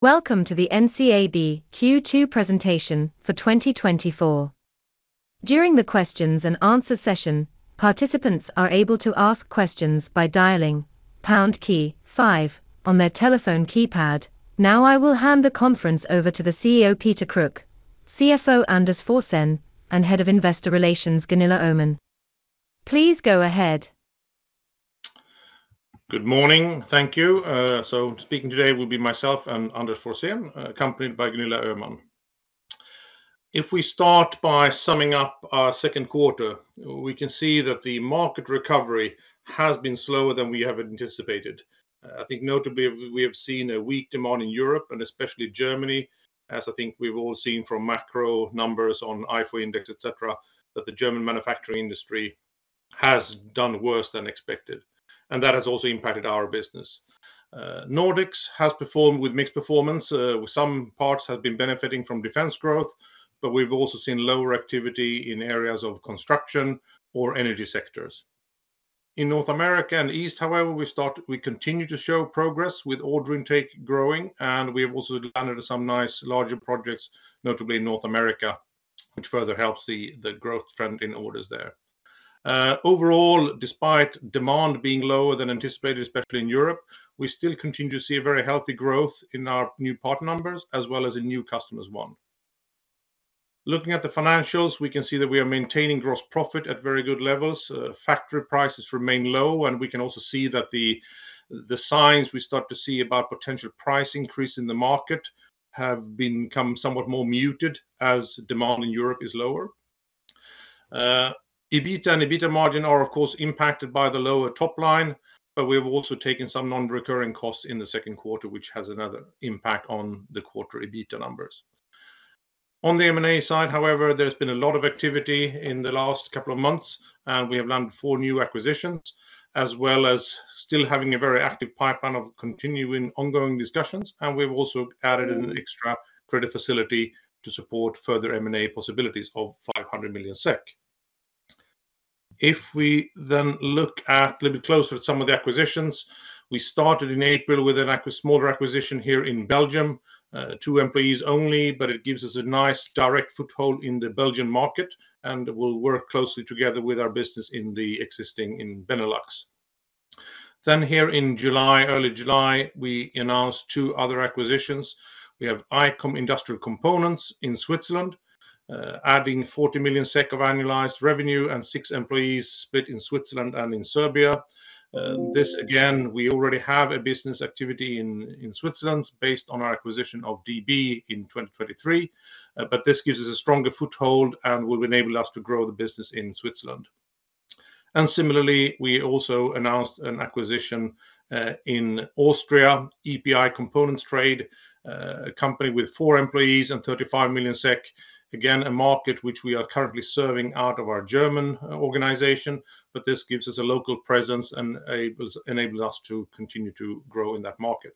Welcome to the NCAB Q2 presentation for 2024. During the Q&A session, participants are able to ask questions by dialing pound key five on their telephone keypad. Now I will hand the conference over to the CEO, Peter Kruk, CFO Anders Forsén, and Head of Investor Relations, Gunilla Öhman. Please go ahead. Good morning, thank you. So speaking today will be myself and Anders Forsén, accompanied by Gunilla Öhman. If we start by summing up our second quarter, we can see that the market recovery has been slower than we have anticipated. I think notably we have seen a weak demand in Europe, and especially Germany, as I think we've all seen from macro numbers on IFO Index, etc., that the German manufacturing industry has done worse than expected, and that has also impacted our business. Nordics has performed with mixed performance. Some parts have been benefiting from defense growth, but we've also seen lower activity in areas of construction or energy sectors. In North America and East, however, we continue to show progress with order intake growing, and we have also landed some nice larger projects, notably in North America, which further helps the growth trend in orders there. Overall, despite demand being lower than anticipated, especially in Europe, we still continue to see a very healthy growth in our new part numbers, as well as in new customers won. Looking at the financials, we can see that we are maintaining gross profit at very good levels. Factory prices remain low, and we can also see that the signs we start to see about potential price increase in the market have become somewhat more muted as demand in Europe is lower. EBITDA and EBITDA margin are, of course, impacted by the lower top line, but we have also taken some non-recurring costs in the second quarter, which has another impact on the quarter EBITDA numbers. On the M&A side, however, there's been a lot of activity in the last couple of months, and we have landed four new acquisitions, as well as still having a very active pipeline of ongoing discussions, and we've also added an extra credit facility to support further M&A possibilities of 500 million SEK. If we then look a little bit closer at some of the acquisitions, we started in April with a smaller acquisition here in Belgium, two employees only, but it gives us a nice direct foothold in the Belgian market, and we'll work closely together with our business in the existing Benelux. Then here in July, early July, we announced two other acquisitions. We have ICOM Industrial Components in Switzerland, adding 40 million SEK of annualized revenue, and six employees split in Switzerland and in Serbia. This again, we already have a business activity in Switzerland based on our acquisition of ICOM in 2023, but this gives us a stronger foothold and will enable us to grow the business in Switzerland. And similarly, we also announced an acquisition in Austria, EPI Components Trade, a company with four employees and 35 million SEK. Again, a market which we are currently serving out of our German organization, but this gives us a local presence and enables us to continue to grow in that market.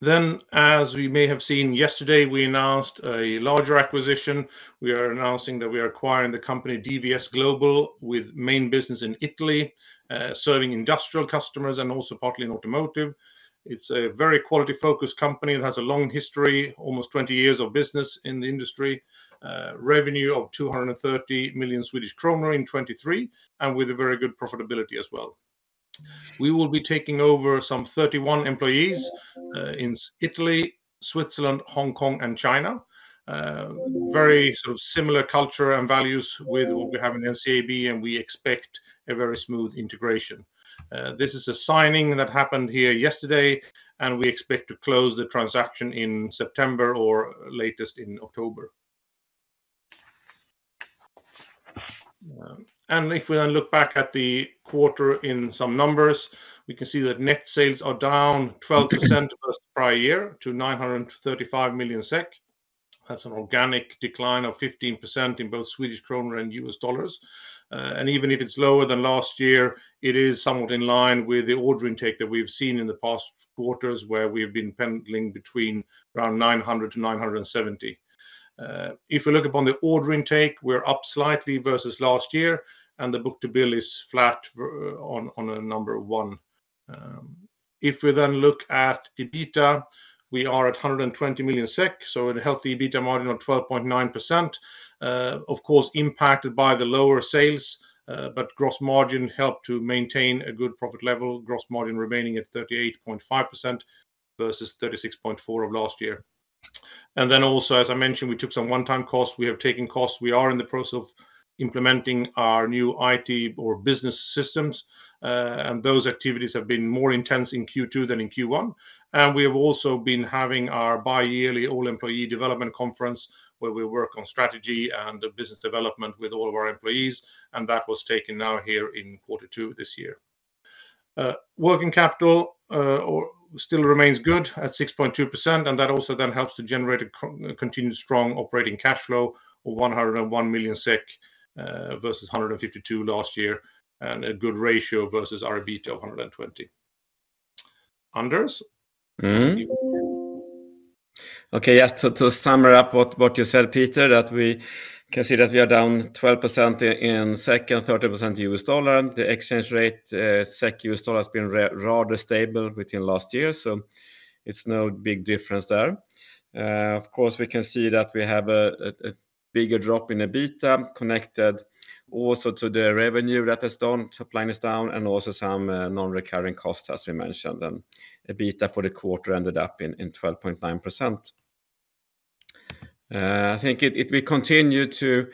Then, as we may have seen yesterday, we announced a larger acquisition. We are announcing that we are acquiring the company DVS Global with main business in Italy, serving industrial customers and also partly in automotive. It's a very quality-focused company that has a long history, almost 20 years of business in the industry, revenue of 230 million Swedish kronor in 2023, and with a very good profitability as well. We will be taking over some 31 employees in Italy, Switzerland, Hong Kong, and China. Very similar culture and values with what we have in NCAB, and we expect a very smooth integration. This is a signing that happened here yesterday, and we expect to close the transaction in September or latest in October. If we then look back at the quarter in some numbers, we can see that net sales are down 12% versus the prior year to 935 million SEK. That's an organic decline of 15% in both Swedish kronor and U.S. dollars. Even if it's lower than last year, it is somewhat in line with the order intake that we've seen in the past quarters, where we've been varying between around 900 million-970 million. If we look upon the order intake, we're up slightly versus last year, and the book-to-bill is flat on a number of one. If we then look at EBITDA, we are at 120 million SEK, so a healthy EBITDA margin of 12.9%, of course impacted by the lower sales, but gross margin helped to maintain a good profit level, gross margin remaining at 38.5% versus 36.4% of last year. And then also, as I mentioned, we took some one-time costs. We have taken costs. We are in the process of implementing our new IT or business systems, and those activities have been more intense in Q2 than in Q1. We have also been having our bi-yearly all-employee development conference, where we work on strategy and the business development with all of our employees, and that was taken now here in quarter two this year. Working capital still remains good at 6.2%, and that also then helps to generate a continued strong operating cash flow of 101 million SEK versus 152 million last year, and a good ratio versus our EBITDA of 120 million. Anders? Okay, yes, to summarize what you said, Peter, that we can see that we are down 12% in SEK and 30% in U.S. dollars. The exchange rate SEK-U.S. dollar has been rather stable within last year, so it's no big difference there. Of course, we can see that we have a bigger drop in EBITDA connected also to the revenue that has done. Supply is down, and also some non-recurring costs, as we mentioned, and EBITDA for the quarter ended up in 12.9%. I think if we continue to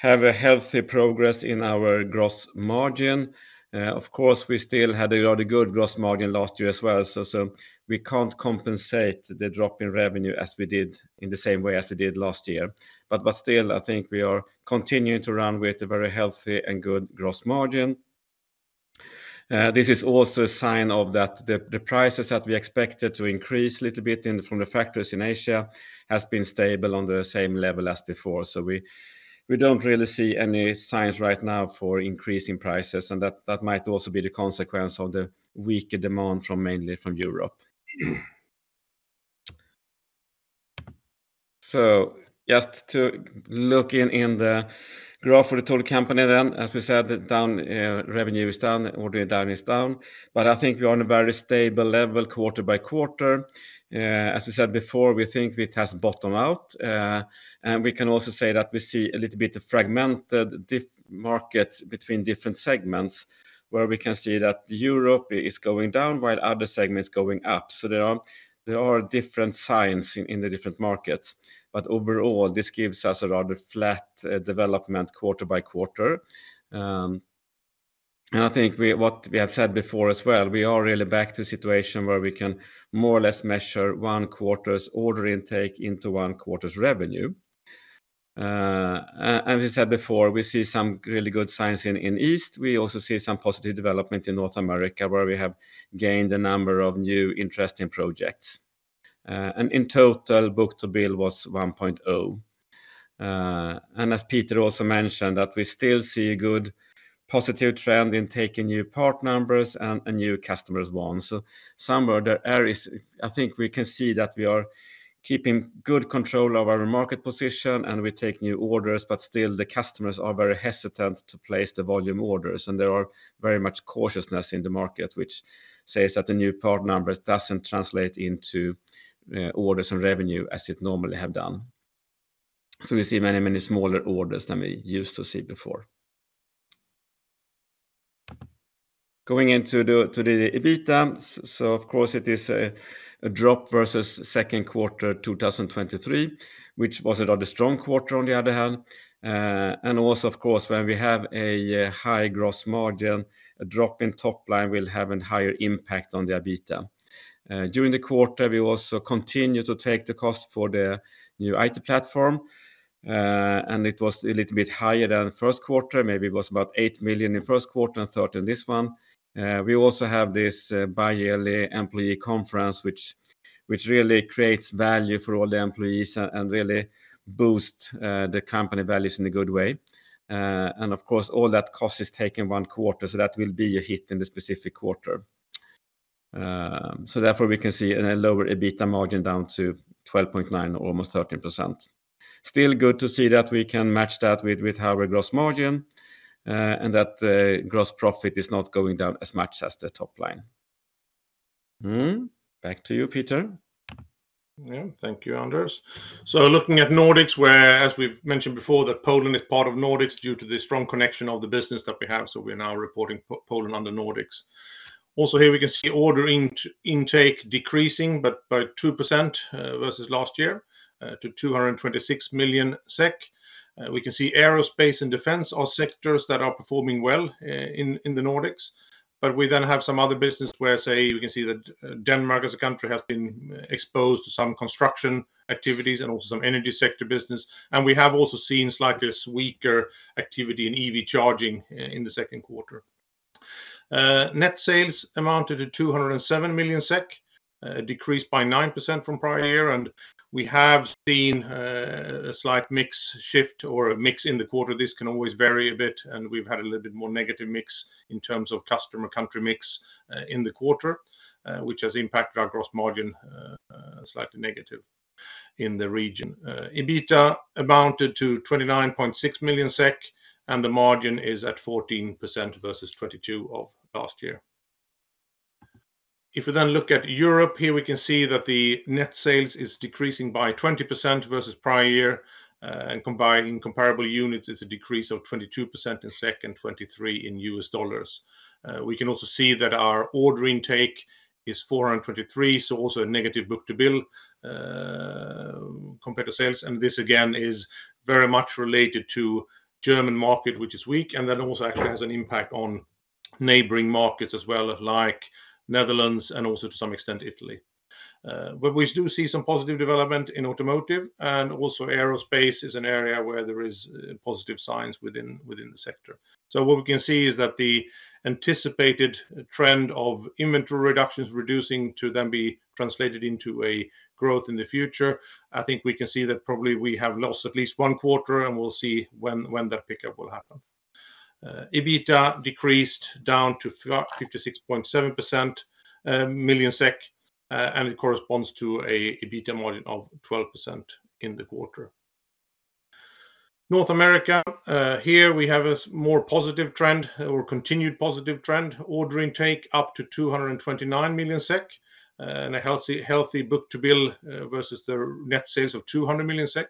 have a healthy progress in our gross margin, of course, we still had a rather good gross margin last year as well, so we can't compensate the drop in revenue as we did in the same way as we did last year. But still, I think we are continuing to run with a very healthy and good gross margin. This is also a sign that the prices that we expected to increase a little bit from the factories in Asia have been stable on the same level as before, so we don't really see any signs right now for increasing prices, and that might also be the consequence of the weaker demand mainly from Europe. So just to look in the graph for the total company then, as we said, revenue is down, order intake is down, but I think we are on a very stable level quarter by quarter. As we said before, we think it has bottomed out, and we can also say that we see a little bit of fragmented markets between different segments, where we can see that Europe is going down while other segments are going up. So there are different signs in the different markets, but overall, this gives us a rather flat development quarter by quarter. I think what we have said before as well, we are really back to a situation where we can more or less measure one quarter's order intake into one quarter's revenue. As we said before, we see some really good signs in East. We also see some positive development in North America, where we have gained a number of new interesting projects. In total, book-to-bill was 1.0. As Peter also mentioned, that we still see a good positive trend in taking new part numbers and new customers won. So somewhere there is, I think we can see that we are keeping good control of our market position, and we take new orders, but still the customers are very hesitant to place the volume orders, and there are very much cautiousness in the market, which says that the new part number doesn't translate into orders and revenue as it normally has done. So we see many, many smaller orders than we used to see before. Going into the EBITDA, so of course it is a drop versus second quarter 2023, which was a rather strong quarter on the other hand. And also, of course, when we have a high gross margin, a drop in top line will have a higher impact on the EBITDA. During the quarter, we also continued to take the cost for the new IT platform, and it was a little bit higher than first quarter. Maybe it was about 8 million in first quarter and 13 million this one. We also have this bi-yearly employee conference, which really creates value for all the employees and really boosts the company values in a good way. Of course, all that cost is taken one quarter, so that will be a hit in the specific quarter. Therefore we can see a lower EBITDA margin down to 12.9% or almost 13%. Still good to see that we can match that with our gross margin and that the gross profit is not going down as much as the top line. Back to you, Peter. Yeah, thank you, Anders. So looking at Nordics, where, as we've mentioned before, that Poland is part of Nordics due to the strong connection of the business that we have, so we're now reporting Poland under Nordics. Also here we can see order intake decreasing by 2% versus last year to 226 million SEK. We can see aerospace and defense are sectors that are performing well in the Nordics, but we then have some other business where, say, we can see that Denmark as a country has been exposed to some construction activities and also some energy sector business, and we have also seen slightly weaker activity in EV charging in the second quarter. Net sales amounted to 207 million SEK, decreased by 9% from prior year, and we have seen a slight mix shift or a mix in the quarter. This can always vary a bit, and we've had a little bit more negative mix in terms of customer country mix in the quarter, which has impacted our gross margin slightly negative in the region. EBITDA amounted to 29.6 million SEK, and the margin is at 14% versus 22% of last year. If we then look at Europe here, we can see that the net sales is decreasing by 20% versus prior year, and in comparable units, it's a decrease of 22% in SEK and 23% in U.S. dollars. We can also see that our order intake is 423, so also a negative book-to-bill compared to sales, and this again is very much related to the German market, which is weak, and then also actually has an impact on neighboring markets as well, like Netherlands and also to some extent Italy. But we do see some positive development in automotive, and also aerospace is an area where there are positive signs within the sector. So what we can see is that the anticipated trend of inventory reductions reducing to then be translated into a growth in the future. I think we can see that probably we have lost at least one quarter, and we'll see when that pickup will happen. EBITDA decreased down to 56.7 million SEK, and it corresponds to an EBITDA margin of 12% in the quarter. North America here, we have a more positive trend or continued positive trend, order intake up to 229 million SEK, and a healthy book-to-bill versus the net sales of 200 million SEK.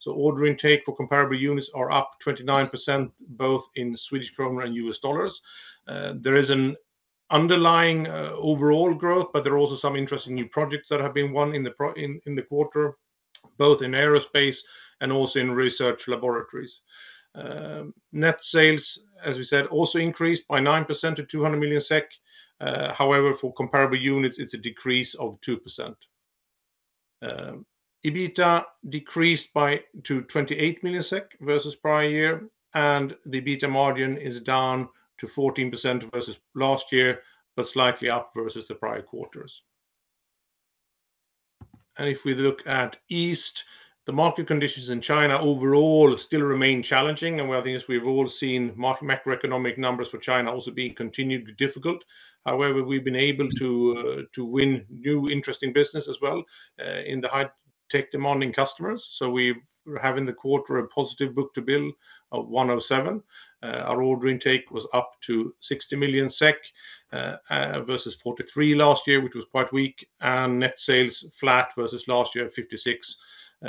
So order intake for comparable units are up 29% both in Swedish kronor and U.S. dollars. There is an underlying overall growth, but there are also some interesting new projects that have been won in the quarter, both in aerospace and also in research laboratories. Net sales, as we said, also increased by 9% to 200 million SEK. However, for comparable units, it's a decrease of 2%. EBITDA decreased by 28 million SEK versus prior year, and the EBITDA margin is down to 14% versus last year, but slightly up versus the prior quarters. And if we look at East, the market conditions in China overall still remain challenging, and I think we've all seen macroeconomic numbers for China also being continued difficult. However, we've been able to win new interesting business as well in the high-tech demanding customers, so we have in the quarter a positive book-to-bill of 107. Our order intake was up to 60 million SEK versus 43 million last year, which was quite weak, and net sales flat versus last year at 56 million.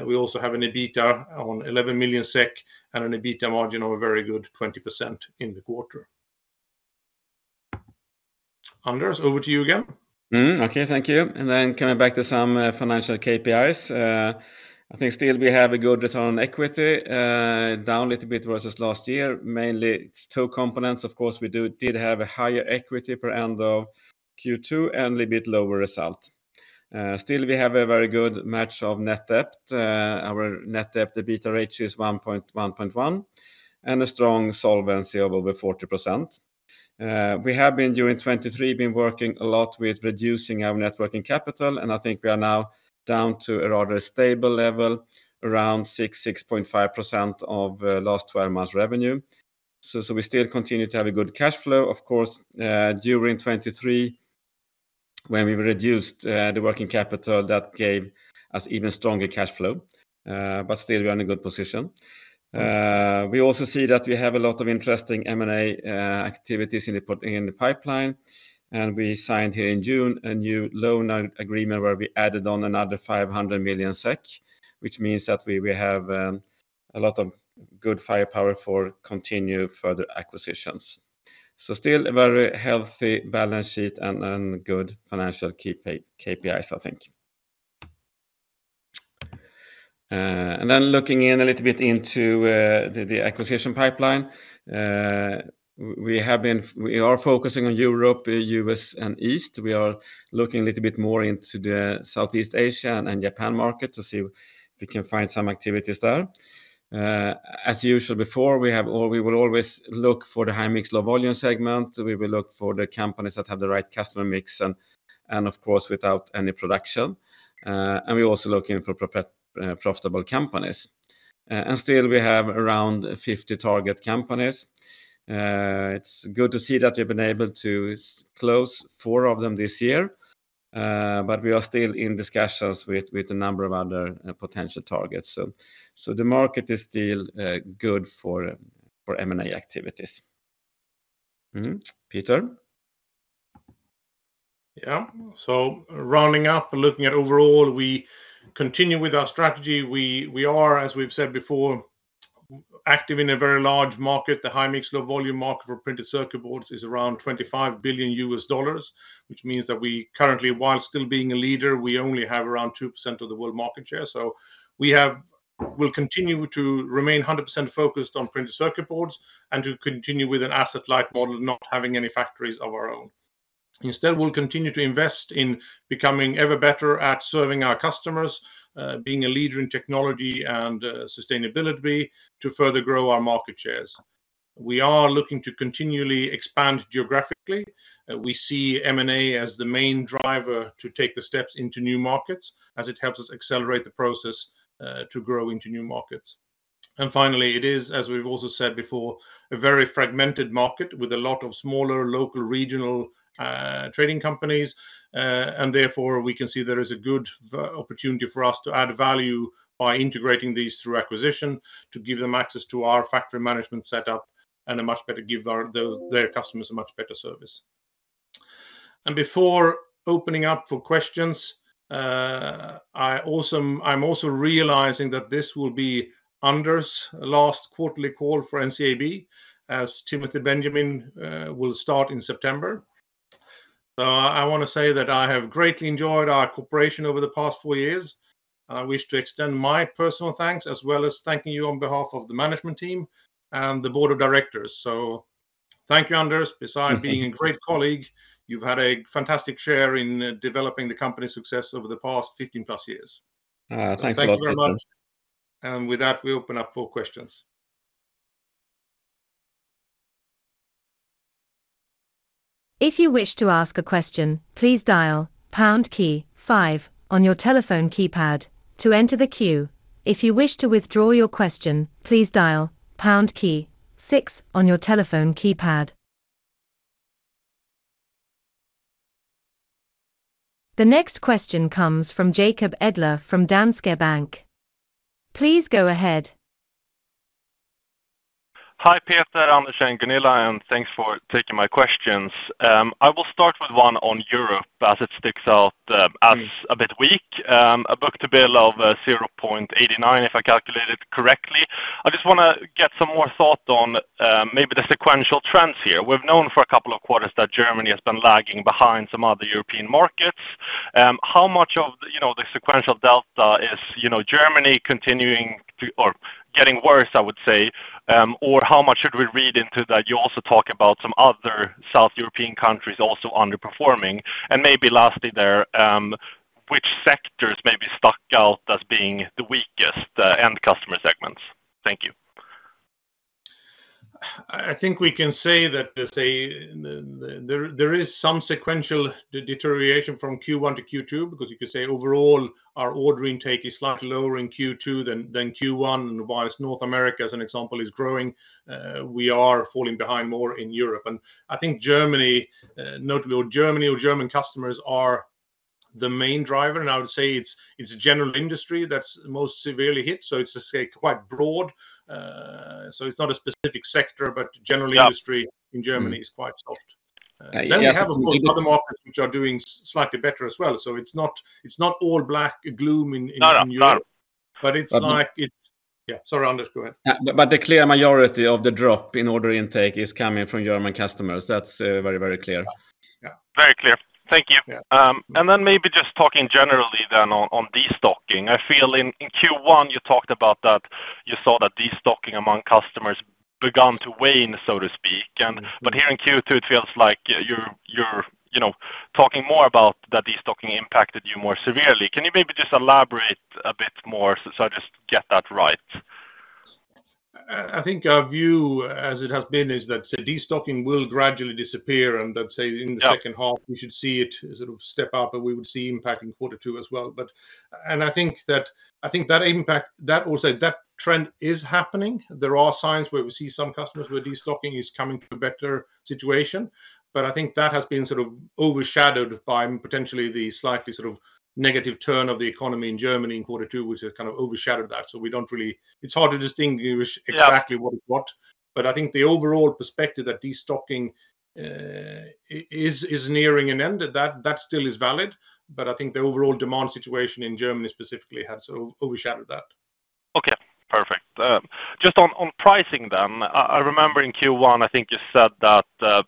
We also have an EBITDA on 11 million SEK and an EBITDA margin of a very good 20% in the quarter. Anders, over to you again. Okay, thank you. Then coming back to some financial KPIs, I think still we have a good return on equity, down a little bit versus last year, mainly two components. Of course, we did have a higher equity at end of Q2 and a little bit lower result. Still, we have a very good net debt. Our net debt/EBITDA ratio is 1.1x and a strong solvency of over 40%. We have been during 2023 working a lot with reducing our net working capital, and I think we are now down to a rather stable level, around 6%-6.5% of last 12 months revenue. So we still continue to have a good cash flow. Of course, during 2023, when we reduced the working capital, that gave us even stronger cash flow, but still we are in a good position. We also see that we have a lot of interesting M&A activities in the pipeline, and we signed here in June a new loan agreement where we added on another 500 million SEK, which means that we have a lot of good firepower for continued further acquisitions. Still a very healthy balance sheet and good financial KPIs, I think. Then looking a little bit into the acquisition pipeline, we are focusing on Europe, the U.S., and East. We are looking a little bit more into the Southeast Asia and Japan market to see if we can find some activities there. As usual before, we will always look for the high mix, low volume segment. We will look for the companies that have the right customer mix and, of course, without any production. We also look in for profitable companies. Still, we have around 50 target companies. It's good to see that we've been able to close four of them this year, but we are still in discussions with a number of other potential targets. The market is still good for M&A activities. Peter? Yeah, so rounding up and looking at overall, we continue with our strategy. We are, as we've said before, active in a very large market. The high mix, low volume market for printed circuit boards is around $25 billion, which means that we currently, while still being a leader, we only have around 2% of the world market share. So we will continue to remain 100% focused on printed circuit boards and to continue with an asset-light model, not having any factories of our own. Instead, we'll continue to invest in becoming ever better at serving our customers, being a leader in technology and sustainability to further grow our market shares. We are looking to continually expand geographically. We see M&A as the main driver to take the steps into new markets, as it helps us accelerate the process to grow into new markets. Finally, it is, as we've also said before, a very fragmented market with a lot of smaller local regional trading companies, and therefore we can see there is a good opportunity for us to add value by integrating these through acquisition to give them access to our factory management setup and a much better give their customers a much better service. Before opening up for questions, I'm also realizing that this will be Anders' last quarterly call for NCAB, as Timothy Benjamin will start in September. I want to say that I have greatly enjoyed our cooperation over the past four years, and I wish to extend my personal thanks as well as thanking you on behalf of the management team and the board of directors. Thank you, Anders. Besides being a great colleague, you've had a fantastic share in developing the company's success over the past 15+ years. Thanks a lot. Thank you very much. With that, we open up for questions. If you wish to ask a question, please dial pound key five on your telephone keypad to enter the queue. If you wish to withdraw your question, please dial pound key six on your telephone keypad. The next question comes from Jacob Edler from Danske Bank. Please go ahead. Hi Peter, Anders and Gunilla, and thanks for taking my questions. I will start with one on Europe as it sticks out as a bit weak, a book-to-bill of 0.89 if I calculated correctly. I just want to get some more thought on maybe the sequential trends here. We've known for a couple of quarters that Germany has been lagging behind some other European markets. How much of the sequential delta is Germany continuing to or getting worse, I would say, or how much should we read into that? You also talk about some other South European countries also underperforming. And maybe lastly there, which sectors maybe stuck out as being the weakest end customer segments? Thank you. I think we can say that there is some sequential deterioration from Q1 to Q2 because you can say overall our order intake is slightly lower in Q2 than Q1, and while North America, as an example, is growing, we are falling behind more in Europe. I think Germany, notably Germany or German customers, are the main driver, and I would say it's a general industry that's most severely hit. It's quite broad. It's not a specific sector, but general industry in Germany is quite soft. Then we have, of course, other markets which are doing slightly better as well. It's not all black gloom in Europe, but it's like it's yeah, sorry, Anders, go ahead. But the clear majority of the drop in order intake is coming from German customers. That's very, very clear. Very clear. Thank you. And then maybe just talking generally then on destocking. I feel in Q1 you talked about that you saw that destocking among customers began to wane, so to speak. But here in Q2, it feels like you're talking more about that destocking impacted you more severely. Can you maybe just elaborate a bit more so I just get that right? I think our view, as it has been, is that destocking will gradually disappear, and that's in the second half we should see it sort of step up, and we would see impact in quarter two as well. And I think that impact, that also that trend is happening. There are signs where we see some customers where destocking is coming to a better situation, but I think that has been sort of overshadowed by potentially the slightly sort of negative turn of the economy in Germany in quarter two, which has kind of overshadowed that. So we don't really, it's hard to distinguish exactly what is what, but I think the overall perspective that destocking is nearing an end, that still is valid, but I think the overall demand situation in Germany specifically has overshadowed that. Okay, perfect. Just on pricing then, I remember in Q1, I think you said that the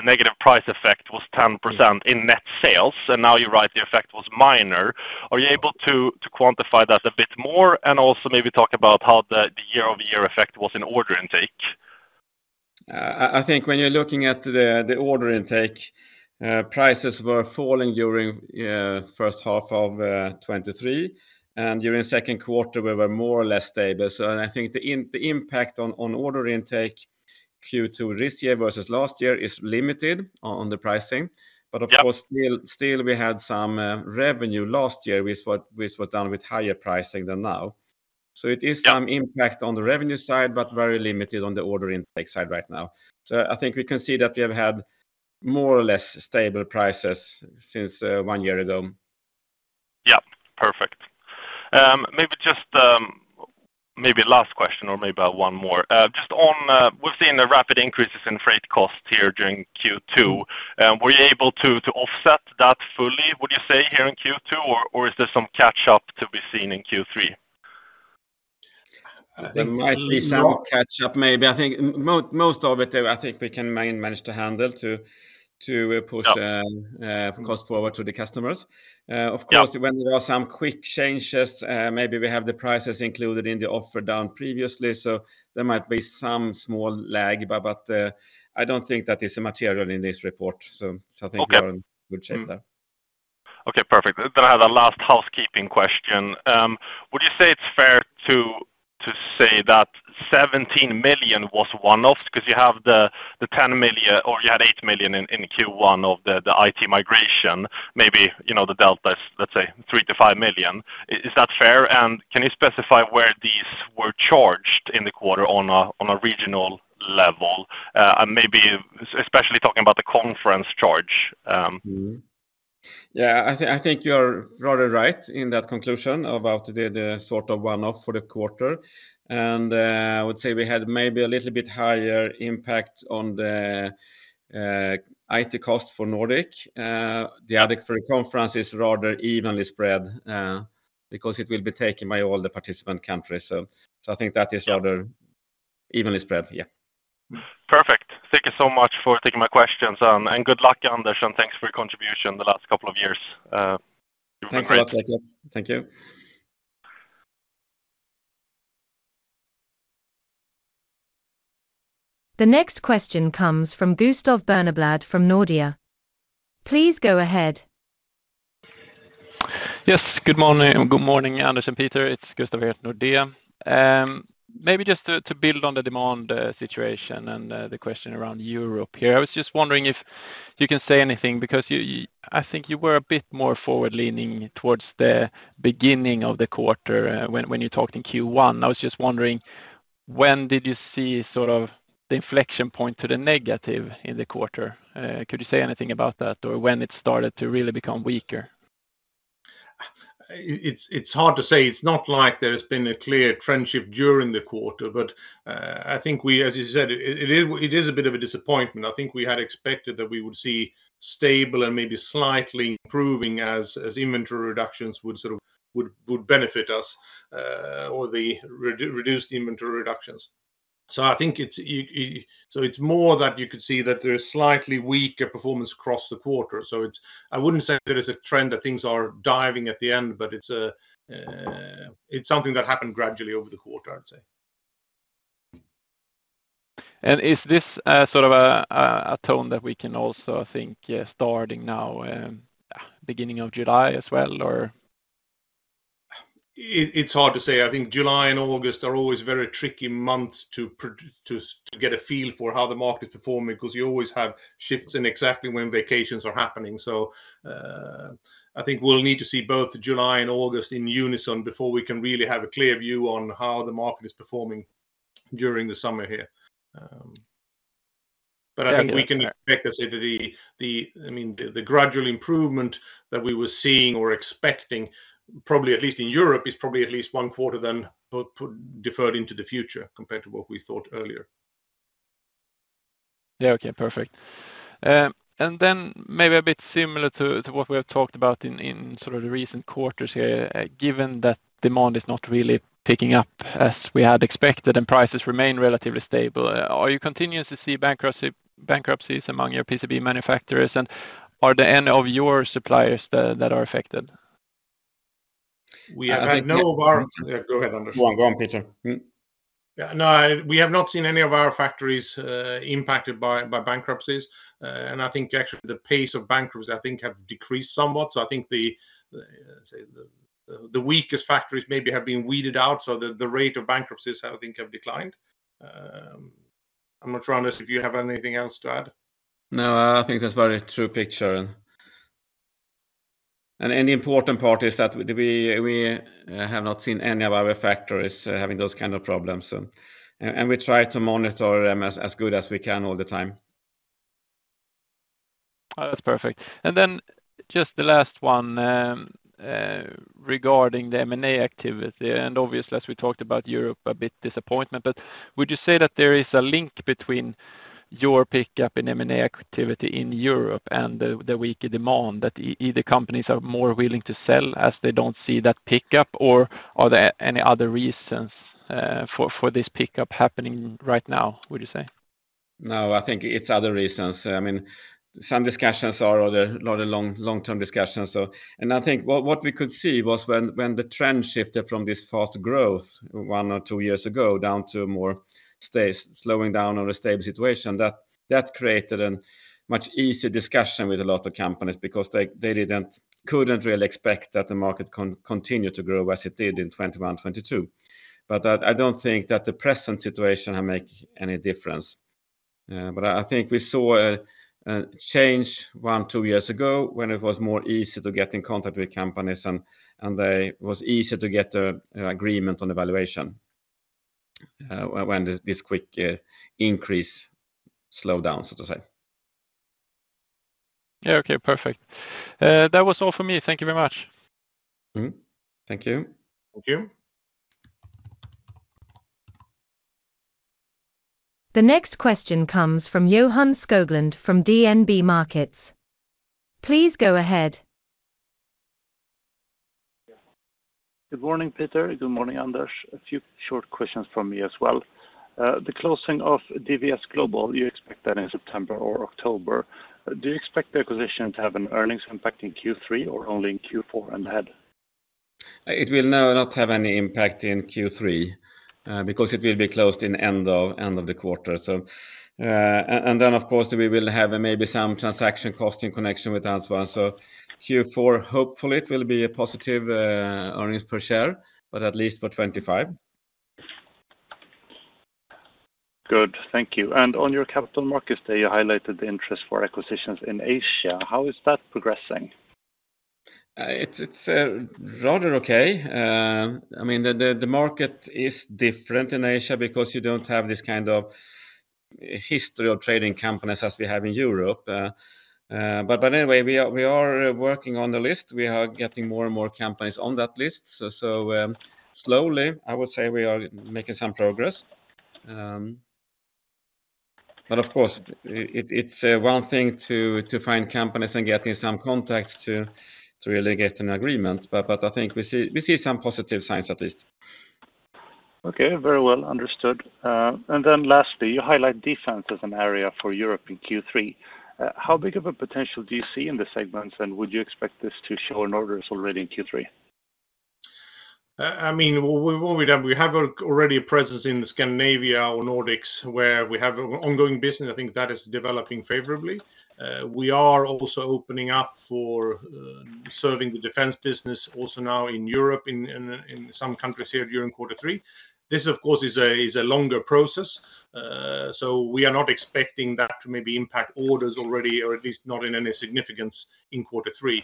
negative price effect was 10% in net sales, and now you write the effect was minor. Are you able to quantify that a bit more and also maybe talk about how the year-over-year effect was in order intake? I think when you're looking at the order intake, prices were falling during the first half of 2023, and during the second quarter, we were more or less stable. I think the impact on order intake Q2 this year versus last year is limited on the pricing, but of course, still we had some revenue last year, which was done with higher pricing than now. It is some impact on the revenue side, but very limited on the order intake side right now. I think we can see that we have had more or less stable prices since one year ago. Yeah, perfect. Maybe just maybe last question or maybe one more. Just on, we've seen rapid increases in freight costs here during Q2. Were you able to offset that fully, would you say, here in Q2, or is there some catch-up to be seen in Q3? There might be some catch-up, maybe. I think most of it, I think we can manage to handle to push costs forward to the customers. Of course, when there are some quick changes, maybe we have the prices included in the offer down previously, so there might be some small lag, but I don't think that is a material in this report. So I think we are in good shape there. Okay, perfect. Then I had a last housekeeping question. Would you say it's fair to say that 17 million was one-off because you have the 10 million or you had 8 million in Q1 of the IT migration, maybe the delta is, let's say, 3 million-5 million? Is that fair? And can you specify where these were charged in the quarter on a regional level? And maybe especially talking about the conference charge. Yeah, I think you're rather right in that conclusion about the sort of one-off for the quarter. And I would say we had maybe a little bit higher impact on the IT cost for Nordic. The add-back for the conference is rather evenly spread because it will be taken by all the participant countries. So I think that is rather evenly spread. Yeah. Perfect. Thank you so much for taking my questions, and good luck, Anders, and thanks for your contribution the last couple of years. Thank you. The next question comes from Gustav Berneblad from Nordea. Please go ahead. Yes, good morning, Anders and Peter. It's Gustav here at Nordea. Maybe just to build on the demand situation and the question around Europe here, I was just wondering if you can say anything because I think you were a bit more forward-leaning towards the beginning of the quarter when you talked in Q1. I was just wondering, when did you see sort of the inflection point to the negative in the quarter? Could you say anything about that or when it started to really become weaker? It's hard to say. It's not like there has been a clear trend shift during the quarter, but I think we, as you said, it is a bit of a disappointment. I think we had expected that we would see stable and maybe slightly improving as inventory reductions would sort of benefit us or the reduced inventory reductions. So I think it's more that you could see that there is slightly weaker performance across the quarter. So I wouldn't say that it's a trend that things are diving at the end, but it's something that happened gradually over the quarter, I'd say. Is this sort of a tone that we can also think starting now, beginning of July as well, or? It's hard to say. I think July and August are always very tricky months to get a feel for how the market's performing because you always have shifts in exactly when vacations are happening. So I think we'll need to see both July and August in unison before we can really have a clear view on how the market is performing during the summer here. But I think we can expect the gradual improvement that we were seeing or expecting, probably at least in Europe, is probably at least one quarter then deferred into the future compared to what we thought earlier. Yeah, okay, perfect. And then maybe a bit similar to what we have talked about in sort of the recent quarters here, given that demand is not really picking up as we had expected and prices remain relatively stable, are you continuing to see bankruptcies among your PCB manufacturers, and are there any of your suppliers that are affected? We have no more of our go-ahead, Anders. Go on, Peter. No, we have not seen any of our factories impacted by bankruptcies. I think actually the pace of bankruptcies, I think, have decreased somewhat. I think the weakest factories maybe have been weeded out, so the rate of bankruptcies, I think, have declined. I'm not sure, Anders, if you have anything else to add. No, I think that's a very true picture. Any important part is that we have not seen any of our factories having those kinds of problems. We try to monitor them as good as we can all the time. That's perfect. And then just the last one regarding the M&A activity. And obviously, as we talked about Europe, a bit disappointment, but would you say that there is a link between your pickup in M&A activity in Europe and the weaker demand, that either companies are more willing to sell as they don't see that pickup, or are there any other reasons for this pickup happening right now, would you say? No, I think it's other reasons. I mean, some discussions are rather long-term discussions. I think what we could see was when the trend shifted from this fast growth one or two years ago down to more slowing down or a stable situation, that created a much easier discussion with a lot of companies because they couldn't really expect that the market continued to grow as it did in 2021, 2022. But I don't think that the present situation has made any difference. I think we saw a change one, two years ago when it was more easy to get in contact with companies, and it was easier to get an agreement on the valuation when this quick increase slowed down, so to say. Yeah, okay, perfect. That was all for me. Thank you very much. Thank you. Thank you. The next question comes from Johan Skoglund from DNB Markets. Please go ahead. Good morning, Peter. Good morning, Anders. A few short questions from me as well. The closing of DVS Global, do you expect that in September or October? Do you expect the acquisition to have an earnings impact in Q3 or only in Q4 and ahead? It will not have any impact in Q3 because it will be closed in the end of the quarter. Then, of course, we will have maybe some transaction cost in connection with Answer. Q4, hopefully, it will be a positive earnings per share, but at least for 2025. Good. Thank you. On your Capital Markets Day, you highlighted the interest for acquisitions in Asia. How is that progressing? It's rather okay. I mean, the market is different in Asia because you don't have this kind of history of trading companies as we have in Europe. But anyway, we are working on the list. We are getting more and more companies on that list. So slowly, I would say we are making some progress. But of course, it's one thing to find companies and getting some contacts to really get an agreement, but I think we see some positive signs at least. Okay, very well understood. And then lastly, you highlight defense as an area for Europe in Q3. How big of a potential do you see in the segments, and would you expect this to show in orders already in Q3? I mean, what we have, we have already a presence in Scandinavia or Nordics where we have ongoing business. I think that is developing favorably. We are also opening up for serving the defense business also now in Europe, in some countries here during quarter three. This, of course, is a longer process. So we are not expecting that to maybe impact orders already, or at least not in any significance in quarter three.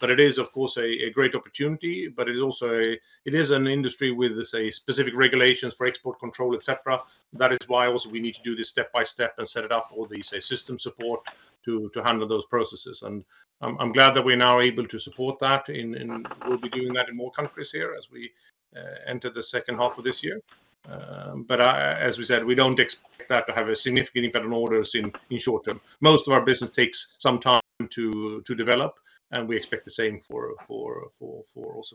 But it is, of course, a great opportunity, but it is also an industry with, say, specific regulations for export control, etc. That is why also we need to do this step by step and set it up for the system support to handle those processes. And I'm glad that we're now able to support that, and we'll be doing that in more countries here as we enter the second half of this year. But as we said, we don't expect that to have a significant impact on orders in short term. Most of our business takes some time to develop, and we expect the same also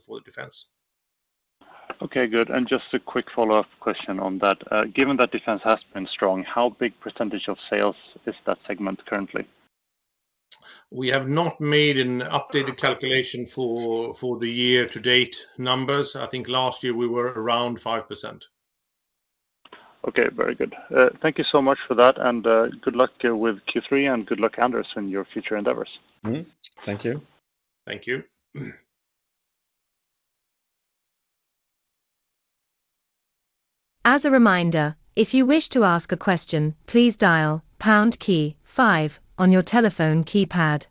for the defense. Okay, good. Just a quick follow-up question on that. Given that defense has been strong, how big percentage of sales is that segment currently? We have not made an updated calculation for the year-to-date numbers. I think last year we were around 5%. Okay, very good. Thank you so much for that, and good luck with Q3, and good luck, Anders, in your future endeavors. Thank you. Thank you. As a reminder, if you wish to ask a question, please dial pound key five on your telephone keypad.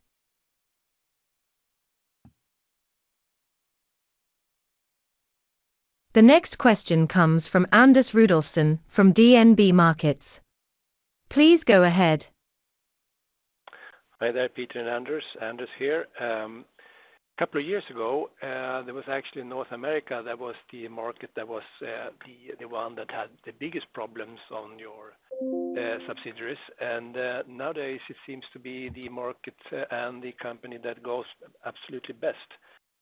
The next question comes from Anders Rudolfsson from DNB Markets. Please go ahead. Hi there, Peter and Anders. Anders here. A couple of years ago, there was actually North America that was the market that was the one that had the biggest problems on your subsidiaries. Nowadays, it seems to be the market and the company that goes absolutely best.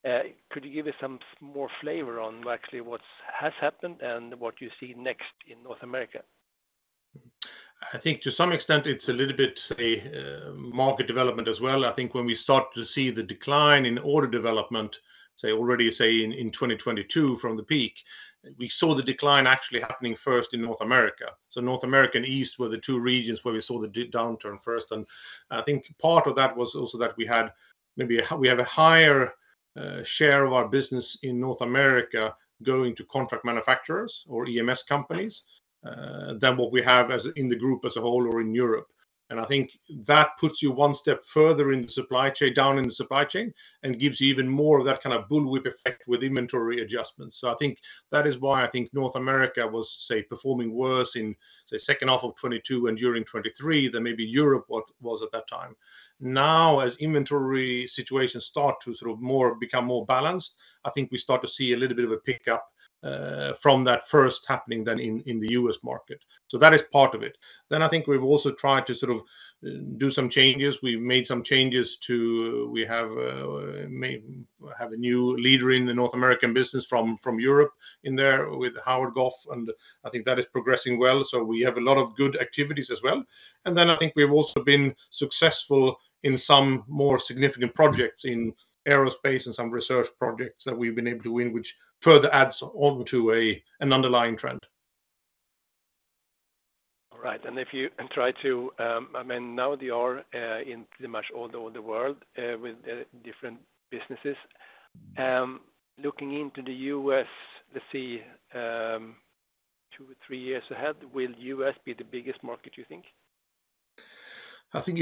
Could you give us some more flavor on actually what has happened and what you see next in North America? I think to some extent, it's a little bit, say, market development as well. I think when we started to see the decline in order development, say, already, say, in 2022 from the peak, we saw the decline actually happening first in North America. So North America and East were the two regions where we saw the downturn first. And I think part of that was also that we had maybe we have a higher share of our business in North America going to contract manufacturers or EMS companies than what we have in the group as a whole or in Europe. And I think that puts you one step further in the supply chain, down in the supply chain, and gives you even more of that kind of bullwhip effect with inventory adjustments. So I think that is why I think North America was, say, performing worse in the second half of 2022 and during 2023 than maybe Europe was at that time. Now, as inventory situations start to sort of become more balanced, I think we start to see a little bit of a pickup from that first happening then in the U.S. market. So that is part of it. Then I think we've also tried to sort of do some changes. We've made some changes to we have a new leader in the North American business from Europe in there with Howard Goff, and I think that is progressing well. So we have a lot of good activities as well. And then I think we've also been successful in some more significant projects in aerospace and some research projects that we've been able to win, which further adds on to an underlying trend. All right. And if you try to, I mean, now they are in pretty much all over the world with different businesses. Looking into the U.S., let's see, two or three years ahead, will the U.S. be the biggest market, you think? I think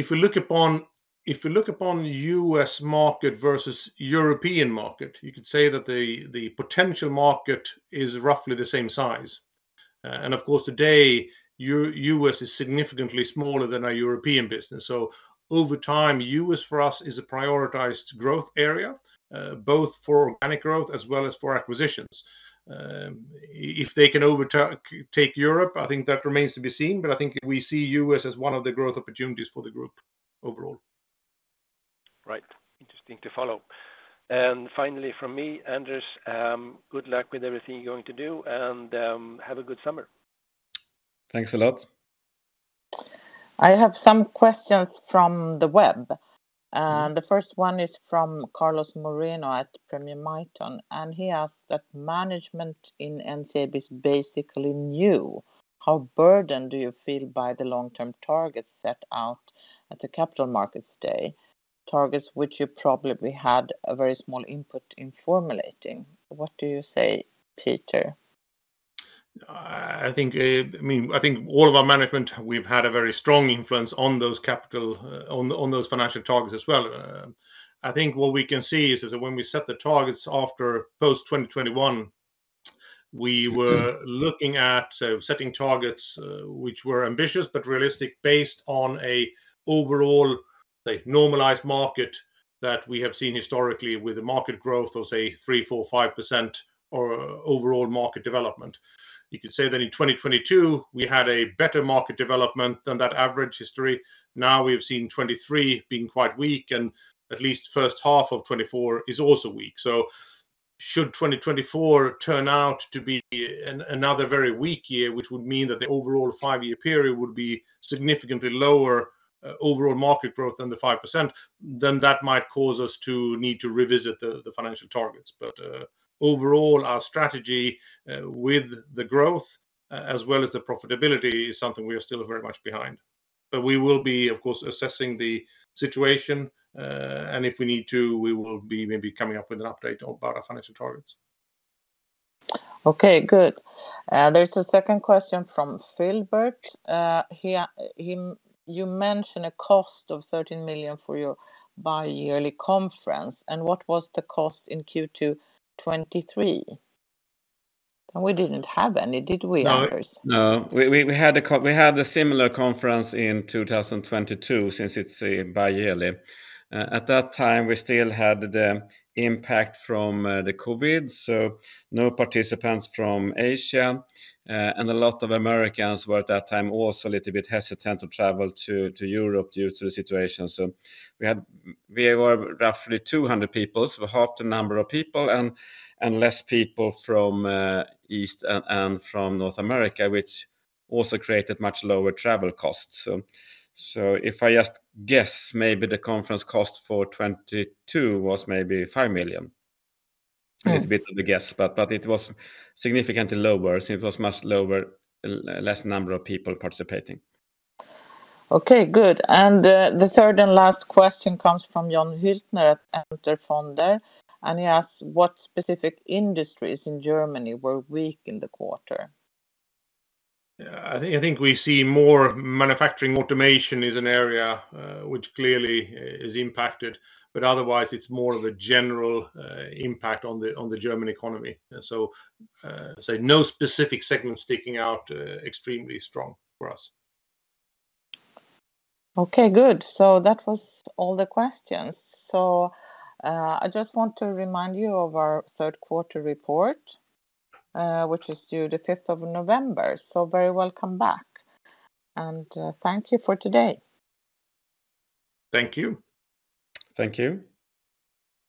if we look upon the U.S. market versus European market, you could say that the potential market is roughly the same size. Of course, today, the U.S. is significantly smaller than our European business. Over time, the U.S. for us is a prioritized growth area, both for organic growth as well as for acquisitions. If they can overtake Europe, I think that remains to be seen, but I think we see the U.S. as one of the growth opportunities for the group overall. Right. Interesting to follow. And finally, from me, Anders, good luck with everything you're going to do, and have a good summer. Thanks a lot. I have some questions from the web. And the first one is from Carlos Moreno at Premier Miton. And he asked that management in NCAB is basically new. How burdened do you feel by the long-term targets set out at the Capital Markets Day? Targets which you probably had a very small input in formulating. What do you say, Peter? I mean, I think all of our management, we've had a very strong influence on those financial targets as well. I think what we can see is that when we set the targets after post-2021, we were looking at setting targets which were ambitious but realistic based on an overall, say, normalized market that we have seen historically with the market growth of, say, 3%-5% or overall market development. You could say that in 2022, we had a better market development than that average history. Now we have seen 2023 being quite weak, and at least the first half of 2024 is also weak. So should 2024 turn out to be another very weak year, which would mean that the overall five-year period would be significantly lower overall market growth than the 5%, then that might cause us to need to revisit the financial targets. Overall, our strategy with the growth as well as the profitability is something we are still very much behind. We will be, of course, assessing the situation, and if we need to, we will be maybe coming up with an update about our financial targets. Okay, good. There's a second question from Phil Burt. You mentioned a cost of 13 million for your bi-yearly conference. And what was the cost in Q2 2023? We didn't have any, did we, Anders? No. We had a similar conference in 2022 since it's bi-yearly. At that time, we still had the impact from the COVID, so no participants from Asia. And a lot of Americans were at that time also a little bit hesitant to travel to Europe due to the situation. So we were roughly 200 people, so half the number of people, and less people from East and from North America, which also created much lower travel costs. So if I just guess, maybe the conference cost for 2022 was maybe 5 million. A little bit of a guess, but it was significantly lower. It was much lower, less number of people participating. Okay, good. And the third and last question comes from Jon Hyltner at Enter Fonder. And he asks, what specific industries in Germany were weak in the quarter? I think we see more manufacturing automation is an area which clearly is impacted, but otherwise, it's more of a general impact on the German economy. So no specific segment sticking out extremely strong for us. Okay, good. That was all the questions. I just want to remind you of our third quarter report, which is due the 5th of November. Very welcome back. Thank you for today. Thank you. Thank you.